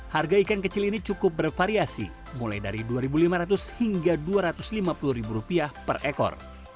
harga ikan kecil ini cukup bervariasi mulai dari rp dua lima ratus hingga rp dua ratus lima puluh per ekor